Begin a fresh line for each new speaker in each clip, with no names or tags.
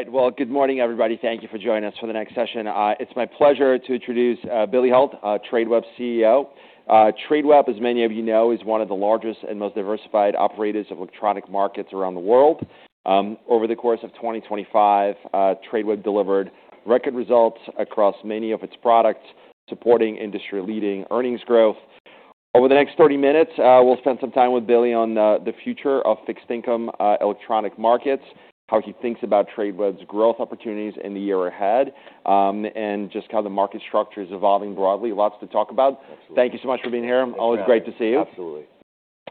All right. Well, good morning, everybody. Thank you for joining us for the next session. It's my pleasure to introduce Billy Hult, Tradeweb CEO. Tradeweb, as many of you know, is one of the largest and most diversified operators of electronic markets around the world. Over the course of 2025, Tradeweb delivered record results across many of its products, supporting industry-leading earnings growth. Over the next 30 minutes, we'll spend some time with Billy on the future of fixed-income electronic markets, how he thinks about Tradeweb's growth opportunities in the year ahead, and just how the market structure is evolving broadly. Lots to talk about. Thank you so much for being here Always great to see you.
Absolutely.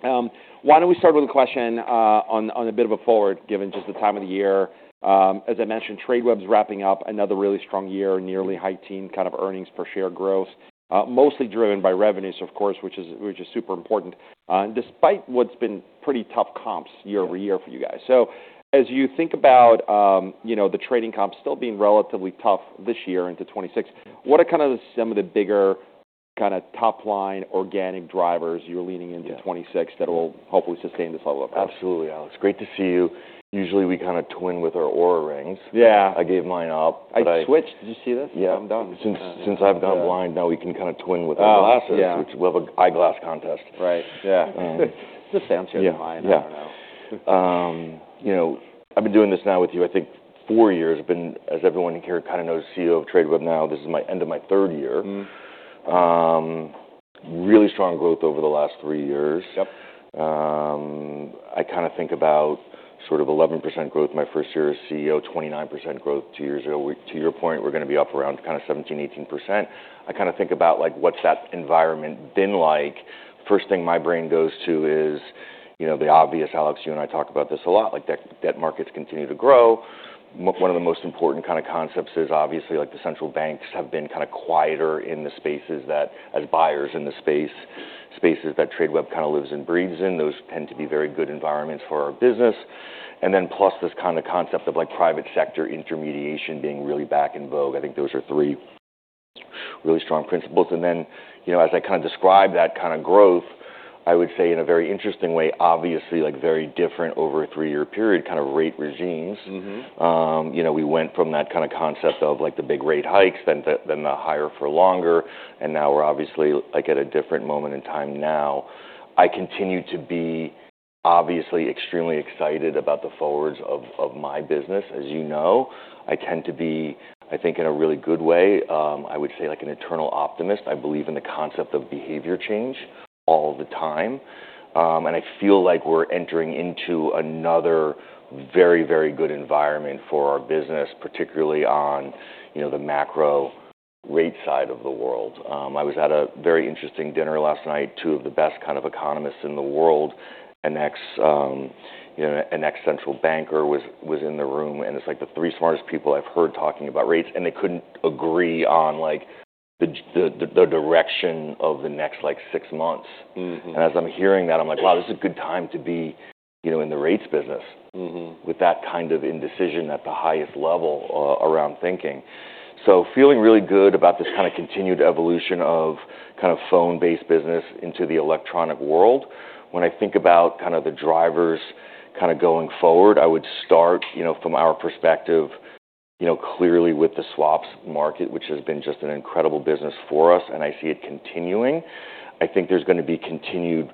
Why don't we start with a question on a bit of a forward, given just the time of the year? As I mentioned, Tradeweb's wrapping up another really strong year, nearly high-teens kind of earnings per share growth, mostly driven by revenues, of course, which is super important, despite what's been pretty tough comps year over year for you guys. So as you think about, you know, the trading comps still being relatively tough this year into 2026, what are kind of some of the bigger kind of top-line organic drivers you're leaning into 2026 that will hopefully sustain this level of performance?
Absolutely, Alex. Great to see you. Usually we kind of sync with our Oura rings. I gave mine up.
I switched. Did you see this?
Yeah.
I'm done.
Since I've gone blind, now we can kind of twin with our glasses, which we have an eyeglass contest. Yeah, you know, I've been doing this now with you, I think, four years. I've been, as everyone here kind of knows, CEO of Tradeweb now. This is my end of my third year. Really strong growth over the last three years. I kind of think about sort of 11% growth my first year as CEO, 29% growth two years ago. To your point, we're gonna be up around kind of 17%-18%. I kind of think about, like, what's that environment been like? First thing my brain goes to is, you know, the obvious, Alex. You and I talk about this a lot, like debt, debt markets continue to grow. One of the most important kind of concepts is obviously, like, the central banks have been kind of quieter in the spaces that, as buyers in the space, spaces that Tradeweb kind of lives and breathes in. Those tend to be very good environments for our business, and then plus this kind of concept of, like, private sector intermediation being really back in vogue. I think those are three really strong principles. And then, you know, as I kind of describe that kind of growth, I would say in a very interesting way, obviously, like, very different over a three-year period kind of rate regimes. You know, we went from that kind of concept of, like, the big rate hikes, then the higher for longer, and now we're obviously, like, at a different moment in time now. I continue to be obviously extremely excited about the future of my business, as you know. I tend to be, I think, in a really good way, I would say, like, an eternal optimist. I believe in the concept of behavior change all the time, and I feel like we're entering into another very, very good environment for our business, particularly on, you know, the macro rates side of the world. I was at a very interesting dinner last night. Two of the best kind of economists in the world, you know, an ex-central banker was in the room, and it's like the three smartest people I've heard talking about rates, and they couldn't agree on, like, the direction of the next, like, six months. As I'm hearing that, I'm like, wow, this is a good time to be, you know, in the rates business. With that kind of indecision at the highest level around thinking, so feeling really good about this kind of continued evolution of kind of phone-based business into the electronic world. When I think about kind of the drivers kind of going forward, I would start, you know, from our perspective, you know, clearly with the swaps market, which has been just an incredible business for us, and I see it continuing. I think there's gonna be continued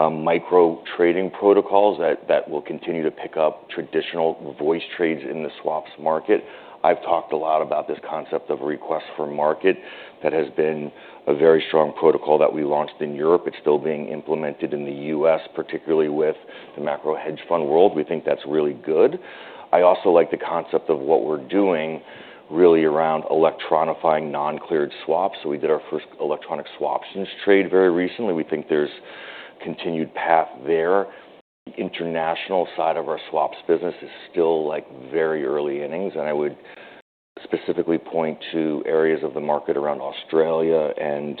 micro trading protocols that will continue to pick up traditional voice trades in the swaps market. I've talked a lot about this concept of Request-for-Market that has been a very strong protocol that we launched in Europe. It's still being implemented in the U.S., particularly with the macro hedge fund world. We think that's really good. I also like the concept of what we're doing really around electronifying non-cleared swaps. So we did our first electronic swaps in trade very recently. We think there's a continued path there. The international side of our swaps business is still, like, very early innings, and I would specifically point to areas of the market around Australia and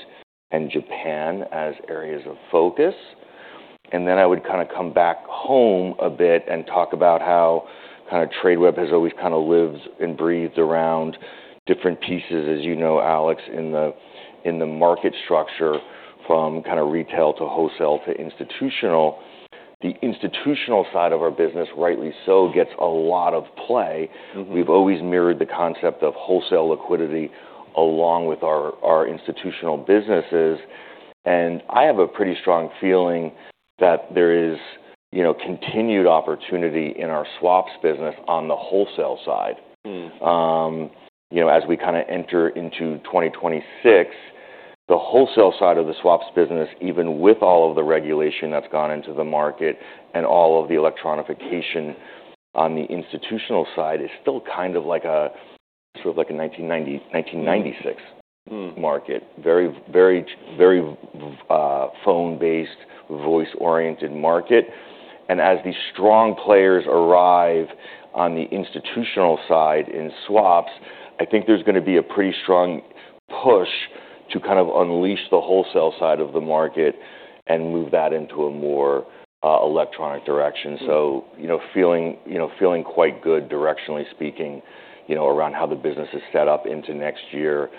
Japan as areas of focus. And then I would kind of come back home a bit and talk about how kind of Tradeweb has always kind of lives and breathes around different pieces, as you know, Alex, in the market structure from kind of retail to wholesale to institutional. The institutional side of our business, rightly so, gets a lot of play. We've always mirrored the concept of wholesale liquidity along with our institutional businesses, and I have a pretty strong feeling that there is, you know, continued opportunity in our swaps business on the wholesale side. You know, as we kind of enter into 2026, the wholesale side of the swaps business, even with all of the regulation that's gone into the market and all of the electronification on the institutional side, is still kind of like a sort of like a 1990, 1996. Market. Very, very, very phone-based, voice-oriented market, and as these strong players arrive on the institutional side in swaps, I think there's gonna be a pretty strong push to kind of unleash the wholesale side of the market and move that into a more electronic direction, so you know, feeling, you know, feeling quite good, directionally speaking, you know, around how the business is set up into next year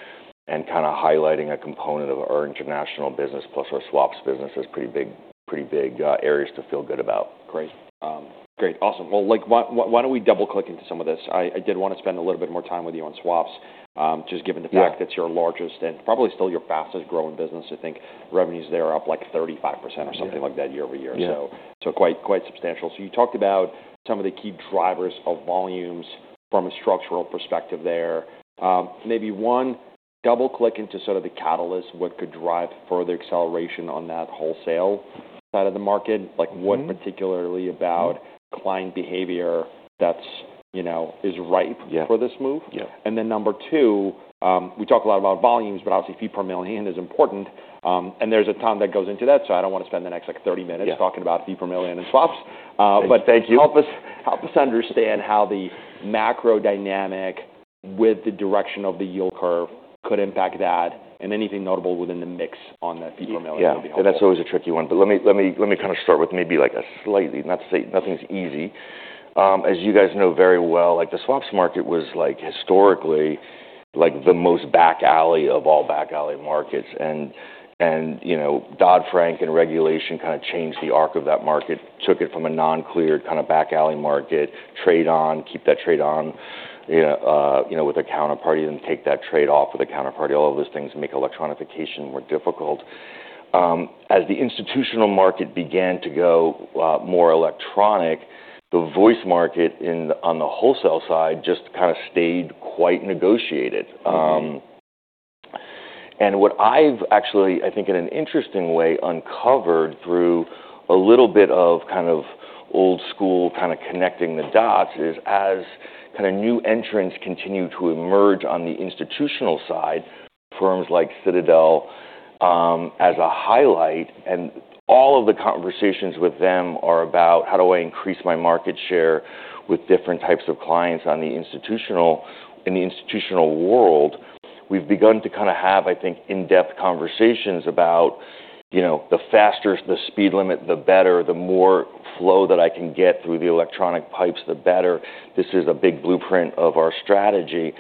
and kind of highlighting a component of our international business plus our swaps business is pretty big, pretty big areas to feel good about.
Great, great. Awesome, well, like, why don't we double-click into some of this? I did wanna spend a little bit more time with you on swaps, just given the fact. That's your largest and probably still your fastest-growing business. I think revenues there are up like 35% or something like that year over year. So quite substantial. So you talked about some of the key drivers of volumes from a structural perspective there. Maybe one, double-click into sort of the catalyst, what could drive further acceleration on that wholesale side of the market, like, what particularly about client behavior that's, you know, is ripe. For this move. And then number two, we talk a lot about volumes, but obviously fee per million is important. And there's a ton that goes into that, so I don't wanna spend the next, like, 30 minutes. Talking about fee per million and swaps.
Thank you.
Help us, help us understand how the macro dynamic with the direction of the yield curve could impact that and anything notable within the mix on that fee per million. That'd be helpful.
Yeah. And that's always a tricky one. But let me kind of start with maybe like a slightly, not to say nothing's easy. As you guys know very well, like, the swaps market was, like, historically, like, the most back alley of all back alley markets. And you know, Dodd-Frank and regulation kind of changed the arc of that market, took it from a non-cleared kind of back alley market, trade on, keep that trade on, you know, with a counterparty, then take that trade off with a counterparty, all of those things make electronification more difficult. As the institutional market began to go more electronic, the voice market on the wholesale side just kind of stayed quite negotiated. And what I've actually, I think in an interesting way, uncovered through a little bit of kind of old school kind of connecting the dots is as kind of new entrants continue to emerge on the institutional side, firms like Citadel, as a highlight, and all of the conversations with them are about, how do I increase my market share with different types of clients on the institutional, in the institutional world? We've begun to kind of have, I think, in-depth conversations about, you know, the faster, the speed limit, the better, the more flow that I can get through the electronic pipes, the better. This is a big blueprint of our strategy.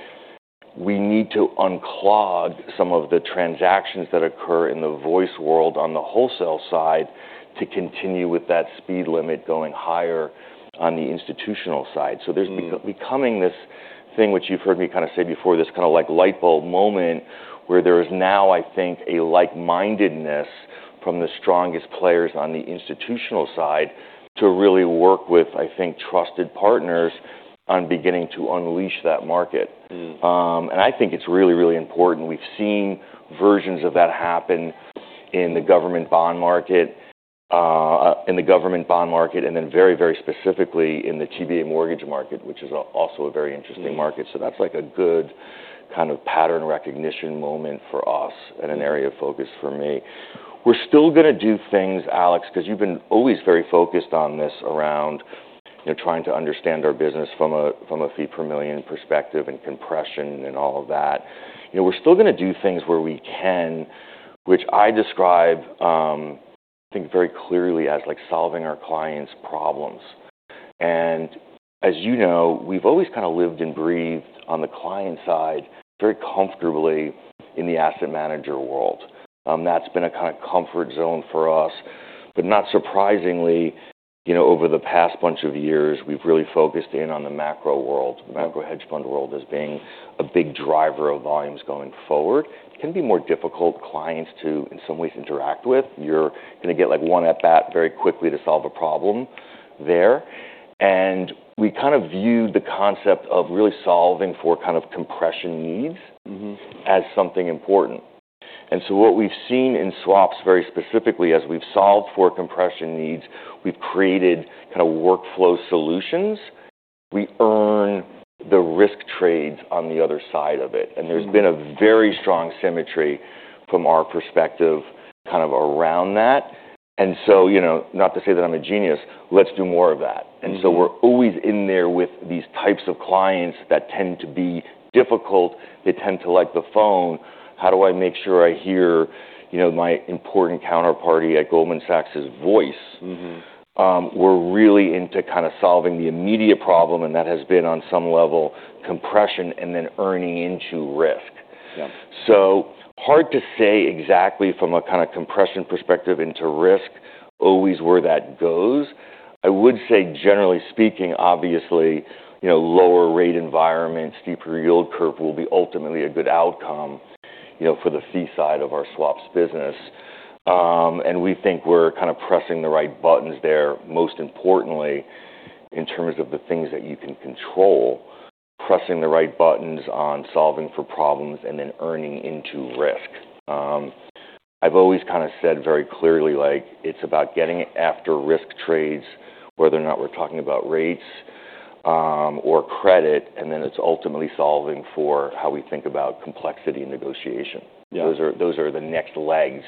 We need to unclog some of the transactions that occur in the voice world on the wholesale side to continue with that speed limit going higher on the institutional side. There's becoming this thing, which you've heard me kind of say before, this kind of like light bulb moment where there is now, I think, a like-mindedness from the strongest players on the institutional side to really work with, I think, trusted partners on beginning to unleash that market. And I think it's really, really important. We've seen versions of that happen in the government bond market, in the government bond market, and then very, very specifically in the TBA mortgage market, which is also a very interesting market. So that's like a good kind of pattern recognition moment for us and an area of focus for me. We're still gonna do things, Alex, 'cause you've been always very focused on this around, you know, trying to understand our business from a fee per million perspective and compression and all of that. You know, we're still gonna do things where we can, which I describe, I think very clearly as like solving our clients' problems. And as you know, we've always kind of lived and breathed on the client side very comfortably in the asset manager world. That's been a kind of comfort zone for us. But not surprisingly, you know, over the past bunch of years, we've really focused in on the macro world, macro hedge fund world as being a big driver of volumes going forward. It can be more difficult clients to, in some ways, interact with. You're gonna get like one at bat very quickly to solve a problem there, and we kind of view the concept of really solving for kind of compression needs. As something important and so what we've seen in swaps very specifically, as we've solved for compression needs, we've created kind of workflow solutions. We earn the risk trades on the other side of it and there's been a very strong symmetry from our perspective kind of around that and so, you know, not to say that I'm a genius, let's do more of that. We're always in there with these types of clients that tend to be difficult. They tend to like the phone. How do I make sure I hear, you know, my important counterparty at Goldman Sachs' voice? We're really into kind of solving the immediate problem, and that has been on some level compression and then earning into risk. So hard to say exactly from a kind of compression perspective into risk, always where that goes. I would say, generally speaking, obviously, you know, lower rate environments, steeper yield curve will be ultimately a good outcome, you know, for the fee side of our swaps business. And we think we're kind of pressing the right buttons there, most importantly, in terms of the things that you can control, pressing the right buttons on solving for problems and then earning into risk. I've always kind of said very clearly, like, it's about getting after risk trades, whether or not we're talking about rates, or credit, and then it's ultimately solving for how we think about complexity and negotiation. Those are, those are the next legs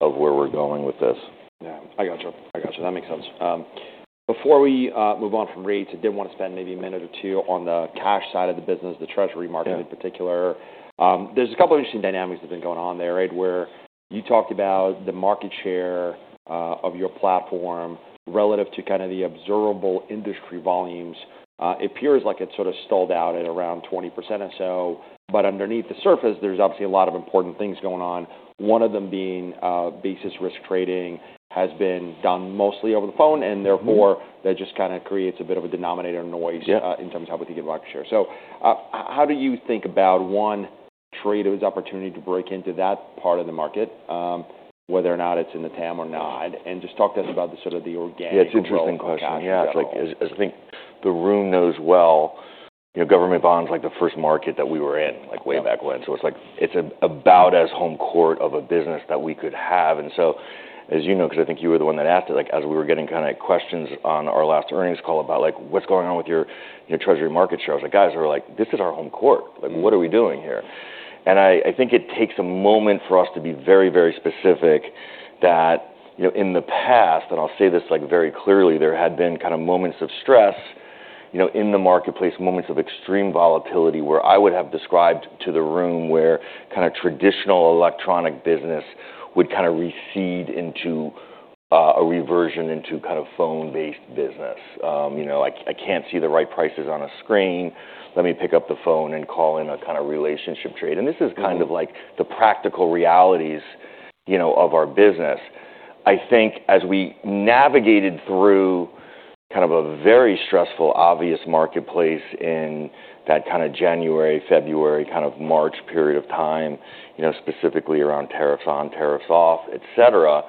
of where we're going with this.
Yeah. I gotcha. I gotcha. That makes sense. Before we move on from rates, I did wanna spend maybe a minute or two on the cash side of the business, the Treasury market in particular. There's a couple of interesting dynamics that have been going on there, right, where you talked about the market share of your platform relative to kind of the observable industry volumes. It sort of stalled out at around 20% or so, but underneath the surface, there's obviously a lot of important things going on. One of them being, basis risk trading has been done mostly over the phone, and therefore that just kind of creates a bit of a denominator noise. In terms of how we think about market share. So, how do you think about, one, trade as opportunity to break into that part of the market, whether or not it's in the TAM or not, and just talk to us about the sort of the organic kind of transaction?
Yeah. It's an interesting question. Yeah. It's like, as I think the room knows well, you know, government bonds like the first market that we were in, like, way back when, so it's like, it's about as home court of a business that we could have, and so, as you know, 'cause I think you were the one that asked it, like, as we were getting kind of questions on our last earnings call about, like, what's going on with your Treasury market share, I was like, guys, we're like, this is our home court. Like, what are we doing here? And I think it takes a moment for us to be very, very specific that, you know, in the past, and I'll say this like very clearly, there had been kind of moments of stress, you know, in the marketplace, moments of extreme volatility where I would have described to the room, where kind of traditional electronic business would kind of recede into a reversion into kind of phone-based business, you know, like, "I can't see the right prices on a screen. Let me pick up the phone and call in a kind of relationship trade." And this is kind of like the practical realities, you know, of our business. I think as we navigated through kind of a very stressful, obvious marketplace in that kind of January, February, kind of March period of time, you know, specifically around tariffs on, tariffs off, etc.,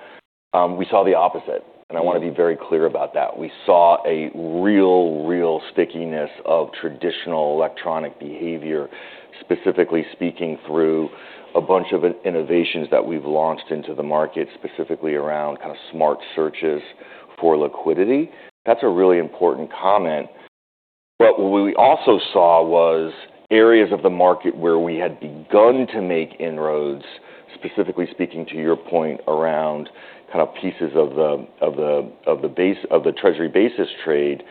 we saw the opposite. And I wanna be very clear about that. We saw a real, real stickiness of traditional electronic behavior, specifically speaking through a bunch of innovations that we've launched into the market, specifically around kind of smart searches for liquidity. That's a really important comment. But what we also saw was areas of the market where we had begun to make inroads, specifically speaking to your point around kind of pieces of the basis of the Treasury basis trade,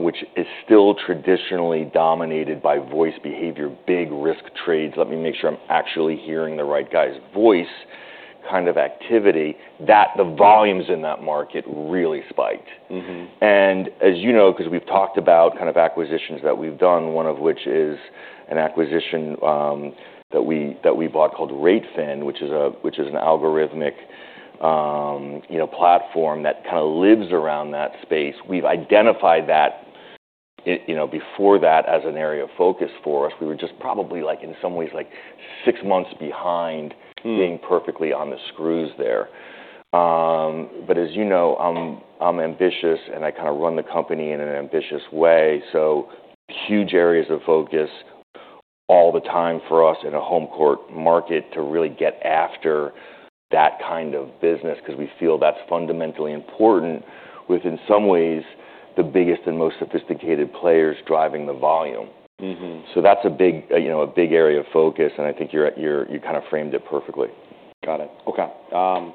which is still traditionally dominated by voice behavior, big risk trades. Let me make sure I'm actually hearing the right guy's voice kind of activity, that the volumes in that market really spiked. And as you know, 'cause we've talked about kind of acquisitions that we've done, one of which is an acquisition that we bought called r8fin, which is an algorithmic, you know, platform that kind of lives around that space. We've identified that, you know, before that as an area of focus for us. We were just probably like, in some ways, like six months behind. Being perfectly on the screws there, but as you know, I'm ambitious and I kind of run the company in an ambitious way, so huge areas of focus all the time for us in a home court market to really get after that kind of business 'cause we feel that's fundamentally important with, in some ways, the biggest and most sophisticated players driving the volume. So that's a big, you know, a big area of focus. And I think you kind of framed it perfectly. Got it.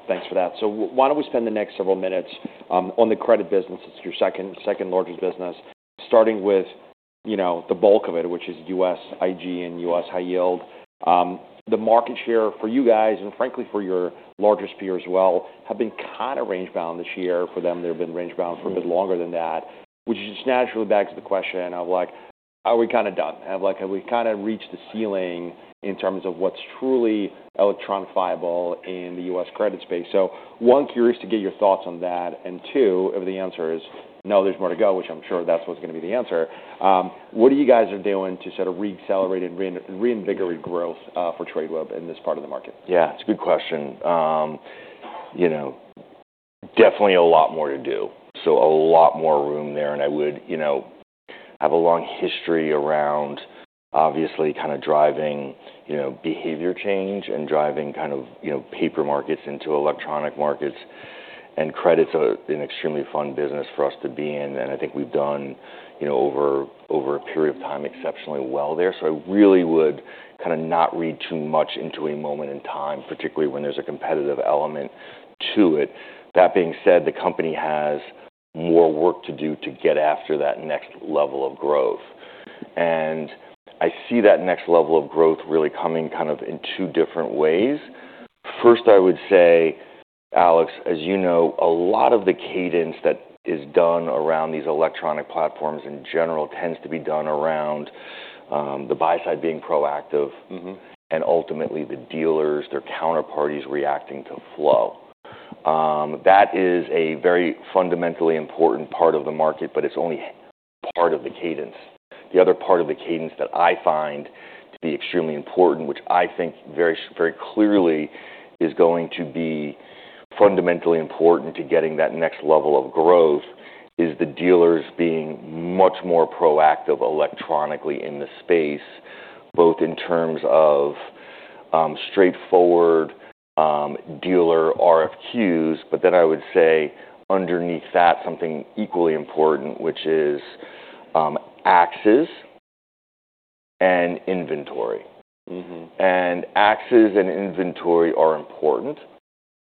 Thanks for that, so why don't we spend the next several minutes on the credit business? It's your second, second largest business, starting with, you know, the bulk of it, which is US IG and US High Yield. The market share for you guys and frankly for your largest peer as well have been kind of range-bound this year. For them, they've been range-bound for a bit longer than that, which just naturally begs the question of, like, are we kind of done, and like, have we kind of reached the ceiling in terms of what's truly electronifiable in the U.S. credit space, so one, curious to get your thoughts on that. And two, if the answer is no, there's more to go, which I'm sure that's what's gonna be the answer, what are you guys are doing to sort of re-accelerate and reinvigorate growth, for Tradeweb in this part of the market?
Yeah. It's a good question. You know, definitely a lot more to do. So a lot more room there. And I would, you know, have a long history around obviously kind of driving, you know, behavior change and driving kind of, you know, paper markets into electronic markets. And credit's an extremely fun business for us to be in. And I think we've done, you know, over a period of time exceptionally well there. So I really would kind of not read too much into a moment in time, particularly when there's a competitive element to it. That being said, the company has more work to do to get after that next level of growth. And I see that next level of growth really coming kind of in two different ways. First, I would say, Alex, as you know, a lot of the cadence that is done around these electronic platforms in general tends to be done around the buy side being proactive. And ultimately the dealers, their counterparties reacting to flow. That is a very fundamentally important part of the market, but it's only part of the cadence. The other part of the cadence that I find to be extremely important, which I think very, very clearly is going to be fundamentally important to getting that next level of growth, is the dealers being much more proactive electronically in the space, both in terms of straightforward dealer RFQs. But then I would say underneath that, something equally important, which is axes and inventory. Axes and inventory are important.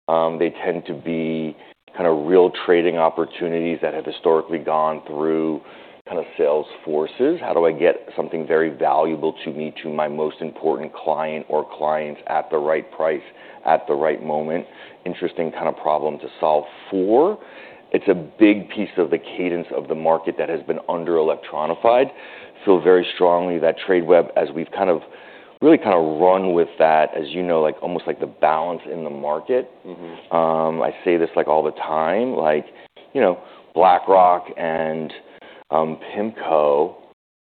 They tend to be kind of real trading opportunities that have historically gone through kind of sales forces. How do I get something very valuable to me, to my most important client or clients at the right price, at the right moment? Interesting kind of problem to solve for. It's a big piece of the cadence of the market that has been under-electronified. I feel very strongly that Tradeweb, as we've kind of really kind of run with that, as you know, like almost like the balance in the market. I say this like all the time, like, you know, BlackRock and PIMCO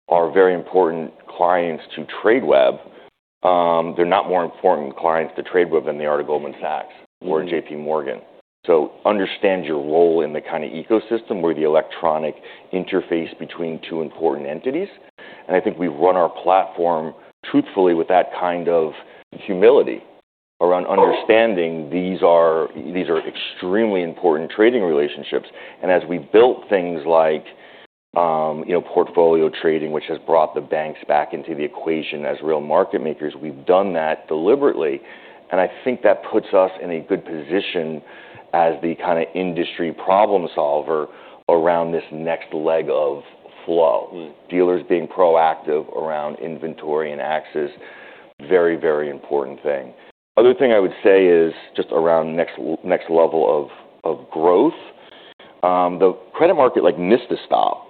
are very important clients to Tradeweb. They're not more important clients to Tradeweb than they are to Goldman Sachs or J.P. Morgan. So understand your role in the kind of ecosystem where the electronic interface between two important entities. And I think we've run our platform truthfully with that kind of humility around understanding these are extremely important trading relationships. And as we've built things like, you know, Portfolio Trading, which has brought the banks back into the equation as real market makers, we've done that deliberately. And I think that puts us in a good position as the kind of industry problem solver around this next leg of flow. Dealers being proactive around inventory and axes, very, very important thing. Other thing I would say is just around next level of growth. The credit market like missed a stop,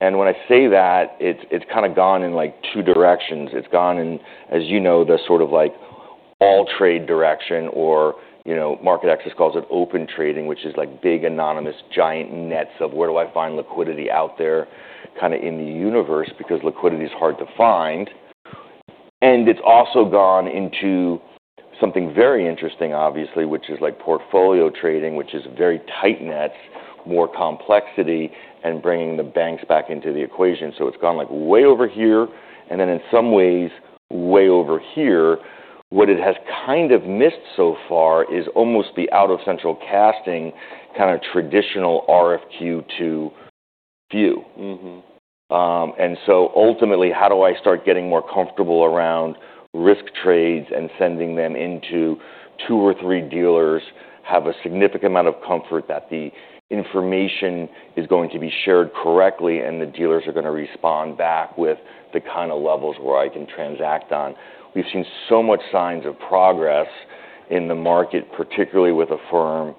and when I say that, it's kind of gone in like two directions. It's gone in, as you know, the sort of like all trade direction or, you know, MarketAxess calls it Open Trading, which is like big anonymous giant nets of where do I find liquidity out there kind of in the universe because liquidity is hard to find, and it's also gone into something very interesting, obviously, which is like Portfolio Trading, which is very tight nets, more complexity, and bringing the banks back into the equation, so it's gone like way over here and then in some ways way over here. What it has kind of missed so far is almost the out-of-central casting kind of traditional RFQ to view. And so ultimately, how do I start getting more comfortable around risk trades and sending them into two or three dealers, have a significant amount of comfort that the information is going to be shared correctly and the dealers are gonna respond back with the kind of levels where I can transact on? We've seen so much signs of progress in the market, particularly with a firm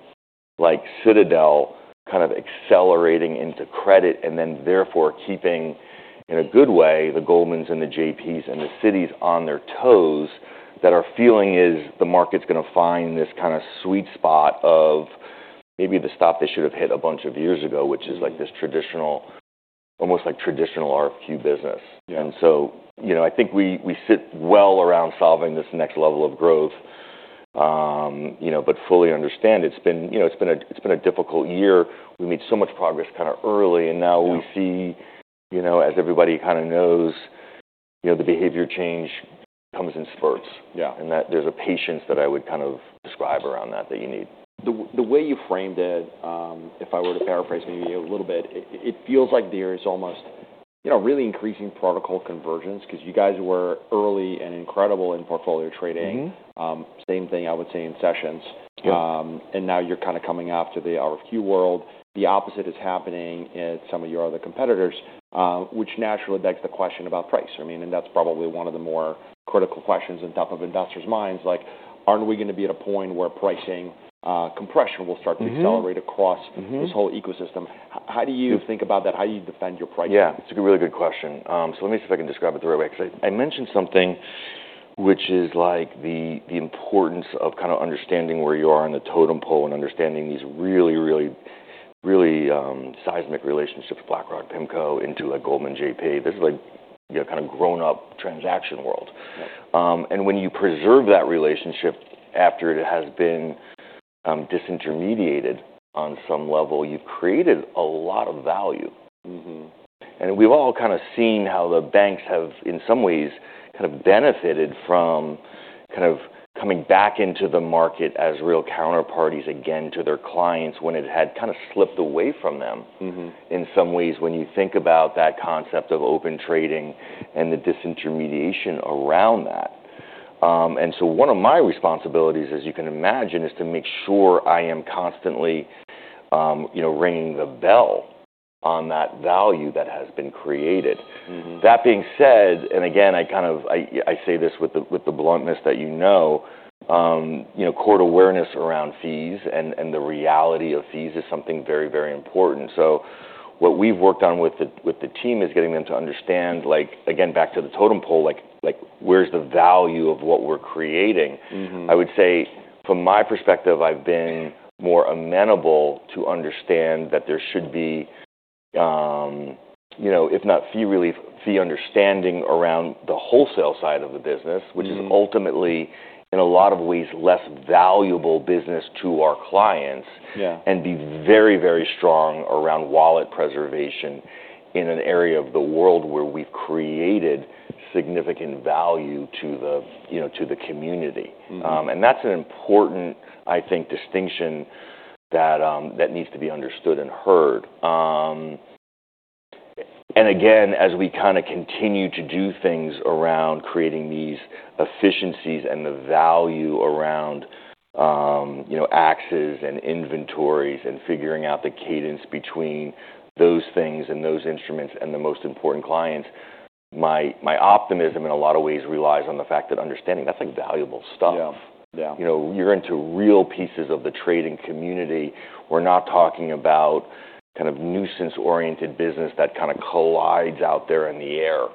like Citadel kind of accelerating into credit and then therefore keeping, in a good way, the Goldmans and the JPs and the Citis on their toes. That our feeling is the market's gonna find this kind of sweet spot of maybe the spot they should have hit a bunch of years ago, which is like this traditional, almost like traditional RFQ business. And so, you know, I think we sit well around solving this next level of growth, you know, but fully understand it's been, you know, a difficult year. We made so much progress kind of early and now we see, you know, as everybody kind of knows, you know, the behavior change comes in spurts. And that there's a patience that I would kind of describe around that you need.
The way you framed it, if I were to paraphrase maybe a little bit, it feels like there is almost, you know, really increasing protocol convergence 'cause you guys were early and incredible in Portfolio Trading. Same thing I would say in sessions. And now you're kind of coming after the RFQ world. The opposite is happening at some of your other competitors, which naturally begs the question about price. I mean, and that's probably one of the more critical questions on top of investors' minds. Like, aren't we gonna be at a point where pricing, compression will start to accelerate across? This whole ecosystem? How do you think about that? How do you defend your pricing?
Yeah. It's a really good question. So let me see if I can describe it the right way 'cause I mentioned something which is like the importance of kind of understanding where you are in the totem pole and understanding these really, really, really, seismic relationships, BlackRock, PIMCO into like Goldman, JP. This is like, you know, kind of grown-up transaction world. And when you preserve that relationship after it has been disintermediated on some level, you've created a lot of value. And we've all kind of seen how the banks have in some ways kind of benefited from kind of coming back into the market as real counterparties again to their clients when it had kind of slipped away from them. In some ways, when you think about that concept of Open Trading and the disintermediation around that, and so one of my responsibilities, as you can imagine, is to make sure I am constantly, you know, ringing the bell on that value that has been created. That being said, and again, I kind of say this with the bluntness that you know, cost awareness around fees and the reality of fees is something very, very important. So what we've worked on with the team is getting them to understand, like, again, back to the totem pole, like where's the value of what we're creating? I would say from my perspective, I've been more amenable to understand that there should be, you know, if not fee relief, fee understanding around the wholesale side of the business, which is ultimately in a lot of ways less valuable business to our clients. And be very, very strong around wallet preservation in an area of the world where we've created significant value to the, you know, to the community. That's an important, I think, distinction that needs to be understood and heard. Again, as we kind of continue to do things around creating these efficiencies and the value around, you know, axes and inventories and figuring out the cadence between those things and those instruments and the most important clients, my optimism in a lot of ways relies on the fact that understanding that's like valuable stuff. You know, you're into real pieces of the trading community. We're not talking about kind of nuisance-oriented business that kind of collides out there in the air.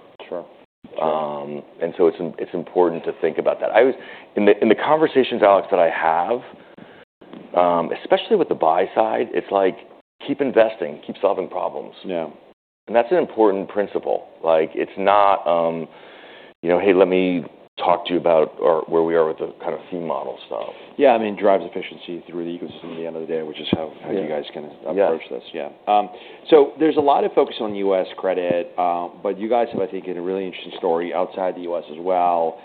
and so it's important to think about that. I was in the conversations, Alex, that I have, especially with the buy side, it's like keep investing, keep solving problems. And that's an important principle. Like, it's not, you know, hey, let me talk to you about our where we are with the kind of fee model stuff.
Yeah. I mean, drives efficiency through the ecosystem at the end of the day, which is how you guys can approach this. Yeah. So there's a lot of focus on U.S. credit, but you guys have, I think, a really interesting story outside the U.S. as well,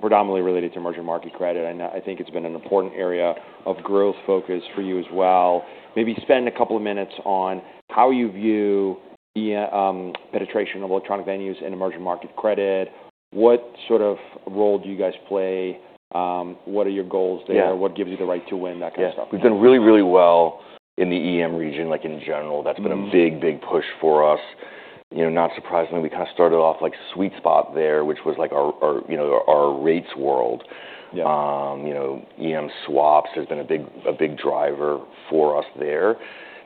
predominantly related to emerging market credit. And I think it's been an important area of growth focus for you as well. Maybe spend a couple of minutes on how you view EM, penetration of electronic venues and emerging market credit. What sort of role do you guys play? What are your goals there? What gives you the right to win? That kind of stuff.
Yeah. We've done really, really well in the EM region, like in general. That's been a big, big push for us. You know, not surprisingly, we kind of started off like sweet spot there, which was like our, you know, our rates world. You know, EM swaps has been a big, a big driver for us there.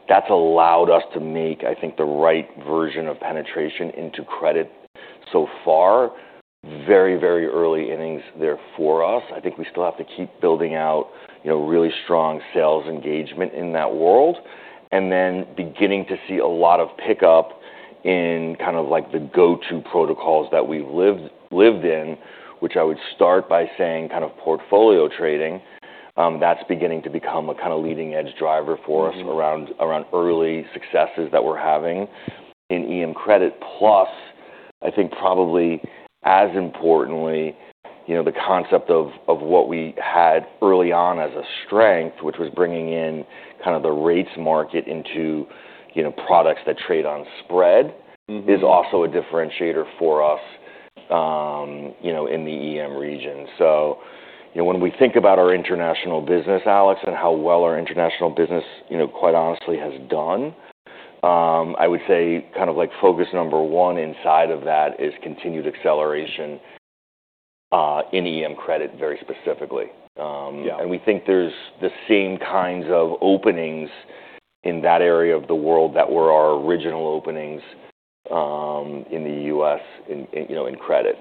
That's allowed us to make, I think, the right version of penetration into credit so far. Very, very early innings there for us. I think we still have to keep building out, you know, really strong sales engagement in that world, and then beginning to see a lot of pickup in kind of like the go-to protocols that we've lived in, which I would start by saying kind of Portfolio Trading. That's beginning to become a kind of leading-edge driver for us around early successes that we're having in EM credit. Plus, I think probably as importantly, you know, the concept of what we had early on as a strength, which was bringing in kind of the rates market into, you know, products that trade on spread. It's also a differentiator for us, you know, in the EM region, so, you know, when we think about our international business, Alex, and how well our international business, you know, quite honestly has done, I would say kind of like focus number one inside of that is continued acceleration in EM credit very specifically. We think there's the same kinds of openings in that area of the world that were our original openings, in the U.S., you know, in credit.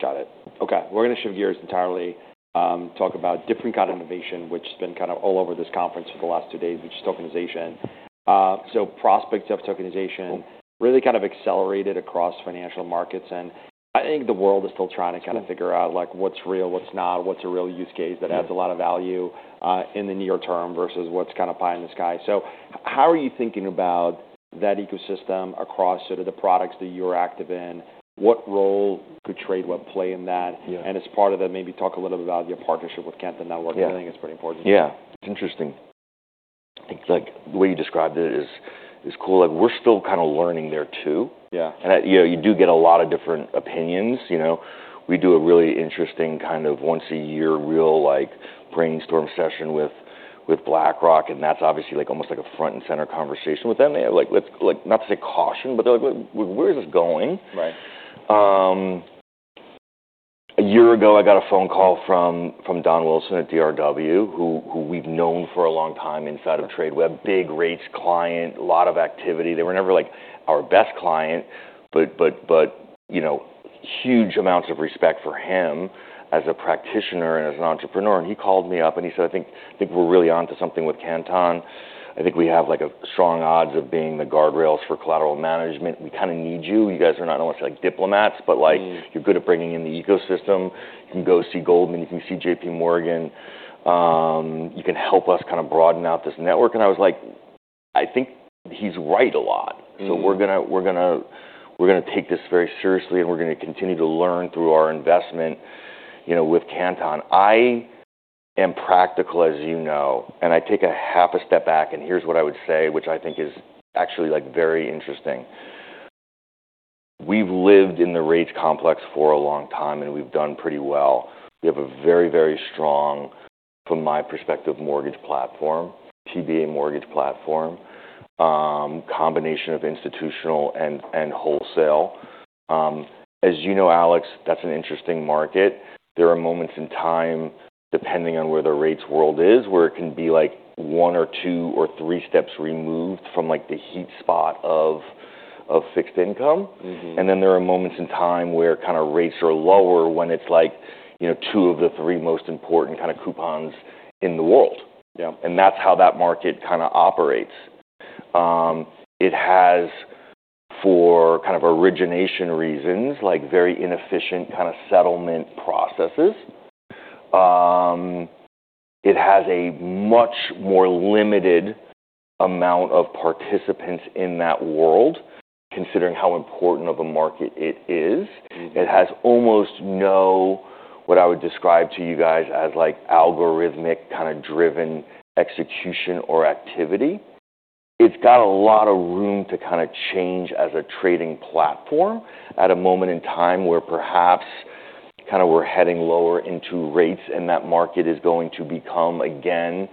Got it. Okay. We're gonna shift gears entirely, talk about different kind of innovation, which has been kind of all over this conference for the last two days, which is tokenization, so prospects of tokenization really kind of accelerated across financial markets, and I think the world is still trying to kind of figure out like what's real, what's not, what's a real use case that adds a lot of value, in the near term versus what's kind of pie in the sky, so how are you thinking about that ecosystem across sort of the products that you're active in? What role could Tradeweb play in that? As part of that, maybe talk a little bit about your partnership with Canton Network. I think it's pretty important.
Yeah. It's interesting. I think like the way you described it is cool. Like we're still kind of learning there too. And I, you know, you do get a lot of different opinions. You know, we do a really interesting kind of once-a-year real like brainstorm session with BlackRock. And that's obviously like almost like a front and center conversation with them. They have like let's like not to say caution, but they're like, "Where is this going? A year ago, I got a phone call from Don Wilson at DRW, who we've known for a long time inside of Tradeweb, big rates client, a lot of activity. They were never like our best client, but you know, huge amounts of respect for him as a practitioner and as an entrepreneur. And he called me up and he said, "I think we're really onto something with Canton. I think we have like a strong odds of being the guardrails for collateral management. We kind of need you. You guys are not almost like diplomats, but like. You're good at bringing in the ecosystem. You can go see Goldman. You can see J.P. Morgan. You can help us kind of broaden out this network." And I was like, "I think he's right a lot. So we're gonna take this very seriously and we're gonna continue to learn through our investment, you know, with Canton. I am practical, as you know, and I take a half a step back and here's what I would say, which I think is actually like very interesting. We've lived in the rates complex for a long time and we've done pretty well. We have a very, very strong, from my perspective, mortgage platform, TBA mortgage platform, combination of institutional and wholesale, as you know, Alex. That's an interesting market. There are moments in time, depending on where the rates world is, where it can be like one or two or three steps removed from like the heat spot of fixed income. And then there are moments in time where kind of rates are lower when it's like, you know, two of the three most important kind of coupons in the world. And that's how that market kind of operates. It has for kind of origination reasons, like very inefficient kind of settlement processes. It has a much more limited amount of participants in that world, considering how important of a market it is. It has almost no what I would describe to you guys as like algorithmic kind of driven execution or activity. It's got a lot of room to kind of change as a trading platform at a moment in time where perhaps kind of we're heading lower into rates and that market is going to become again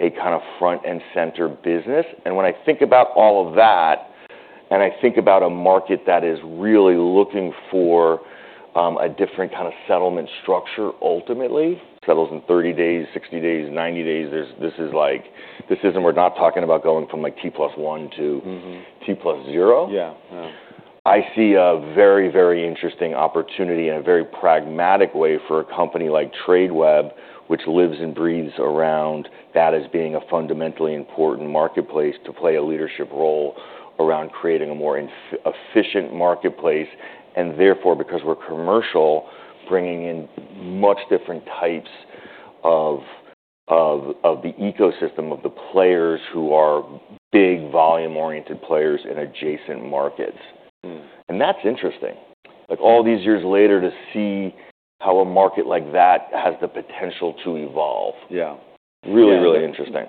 a kind of front and center business. And when I think about all of that and I think about a market that is really looking for a different kind of settlement structure ultimately. Settles in 30 days, 60 days, 90 days. This isn't. We're not talking about going from like T plus one to. T plus zero. I see a very, very interesting opportunity and a very pragmatic way for a company like Tradeweb, which lives and breathes around that as being a fundamentally important marketplace to play a leadership role around creating a more efficient marketplace. And therefore, because we're commercial, bringing in much different types of the ecosystem of the players who are big volume-oriented players in adjacent markets. And that's interesting. Like all these years later to see how a market like that has the potential to evolve. Really, really interesting.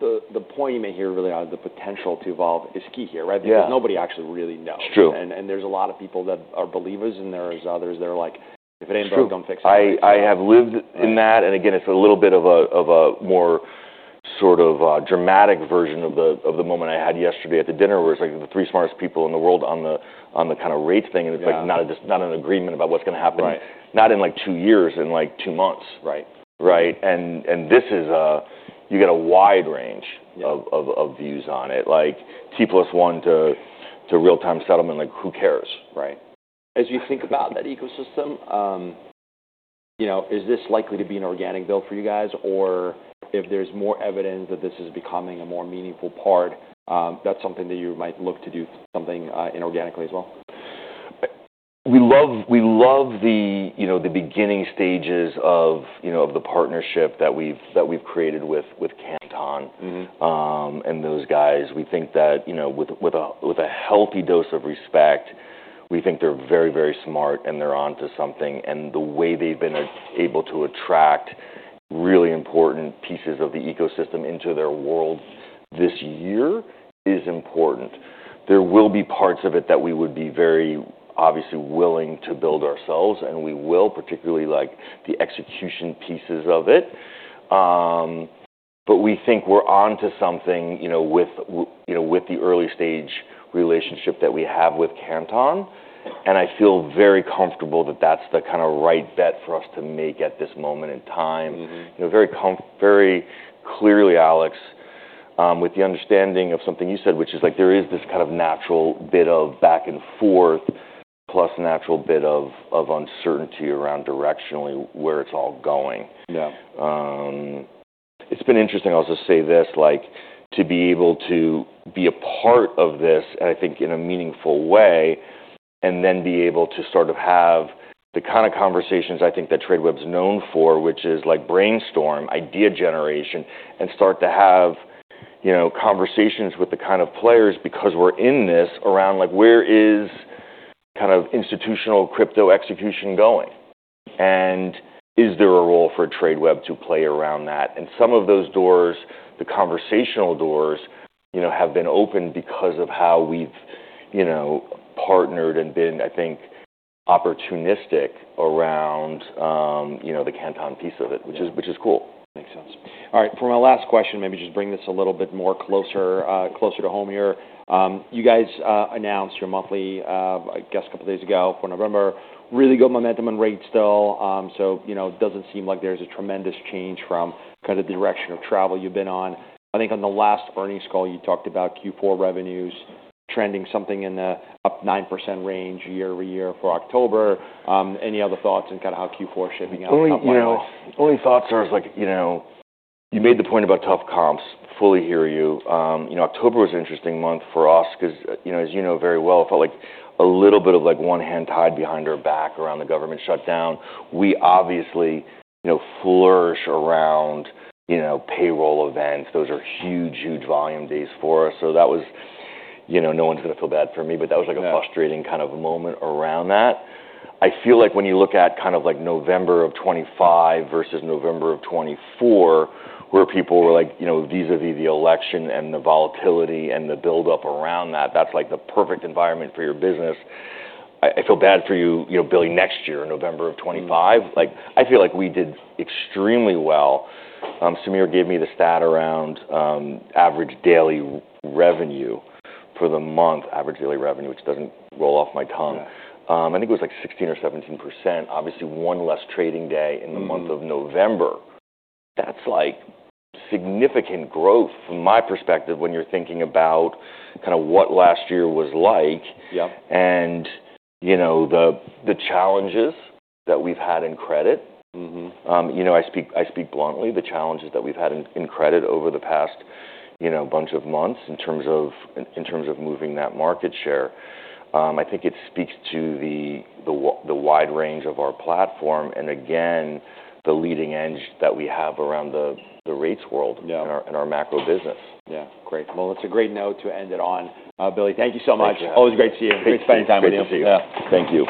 The point you make here really on the potential to evolve is key here, right?
Yeah.
Because nobody actually really knows.
It's true.
There's a lot of people that are believers and there's others that are like, "If it ain't broke, don't fix it.
True. I have lived in that. And again, it's a little bit of a more sort of dramatic version of the moment I had yesterday at the dinner where it's like the three smartest people in the world on the kind of rate thing. It's like not an agreement about what's gonna happen. Not in like two years, in like two months.
Right.
Right, and you get a wide range of views on it. Like T plus one to real-time settlement, like who cares?
Right. As you think about that ecosystem, you know, is this likely to be an organic build for you guys? Or if there's more evidence that this is becoming a more meaningful part, that's something that you might look to do something, inorganically as well?
We love, you know, the beginning stages of, you know, the partnership that we've created with Canton. And those guys, we think that, you know, with a healthy dose of respect, we think they're very, very smart and they're onto something. And the way they've been able to attract really important pieces of the ecosystem into their world this year is important. There will be parts of it that we would be very obviously willing to build ourselves and we will, particularly like the execution pieces of it. But we think we're onto something, you know, with the early stage relationship that we have with Canton. And I feel very comfortable that that's the kind of right bet for us to make at this moment in time. You know, very comfortably, very clearly, Alex, with the understanding of something you said, which is like there is this kind of natural bit of back and forth plus natural bit of uncertainty around directionally where it's all going. It's been interesting also to say this, like to be able to be a part of this, I think, in a meaningful way, and then be able to sort of have the kind of conversations I think that Tradeweb's known for, which is like brainstorm, idea generation, and start to have, you know, conversations with the kind of players because we're in this around like where is kind of institutional crypto execution going? And is there a role for Tradeweb to play around that? And some of those doors, the conversational doors, you know, have been open because of how we've, you know, partnered and been, I think, opportunistic around, you know, the Canton piece of it, which is, which is cool.
Makes sense. All right. For my last question, maybe just bring this a little bit more closer, closer to home here. You guys announced your monthly, I guess a couple of days ago for November, really good momentum on rates still, so you know, it doesn't seem like there's a tremendous change from kind of the direction of travel you've been on. I think on the last earnings call, you talked about Q4 revenues trending something in the up 9% range year over year for October. Any other thoughts on kind of how Q4 is shaping up?
Only, you know, only thoughts are it's like, you know, you made the point about tough comps. Fully hear you. You know, October was an interesting month for us because, you know, as you know very well, it felt like a little bit of like one hand tied behind our back around the government shutdown. We obviously, you know, flourish around, you know, payroll events. Those are huge, huge volume days for us. So that was, you know, no one's gonna feel bad for me, but that was like a frustrating kind of moment around that. I feel like when you look at kind of like November of 2025 versus November of 2024, where people were like, you know, vis-à-vis the election and the volatility and the buildup around that, that's like the perfect environment for your business. I feel bad for you, you know, Billy, next year, November of 2025. Like I feel like we did extremely well. Sameer gave me the stat around average daily revenue for the month, average daily revenue, which doesn't roll off my tongue. I think it was like 16 or 17%, obviously one less trading day in the month of November. That's like significant growth from my perspective when you're thinking about kind of what last year was like. You know, the challenges that we've had in credit. You know, I speak bluntly, the challenges that we've had in credit over the past, you know, bunch of months in terms of moving that market share. I think it speaks to the wide range of our platform and again, the leading edge that we have around the rates world. In our macro business.
Yeah. Great. Well, that's a great note to end it on. Billy, thank you so much.
Thank you.
Always great to see you.
Great spending time with you.
Yeah.
Thank you.